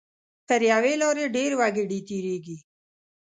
پر یوې لارې ډېر وګړي تېریږي.